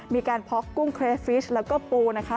มีการเพาะกุ้งเครฟิชแล้วก็ปูนะคะ